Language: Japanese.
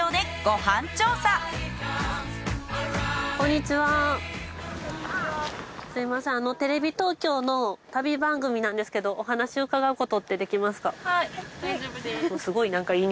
すみませんテレビ東京の旅番組なんですけどお話うかがうことってできますか？